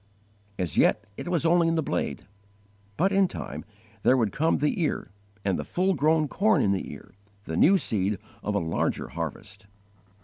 As yet it was only in the blade, but in time there would come the ear and the full grown corn in the ear, the new seed of a larger harvest.